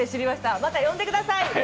また呼んでください。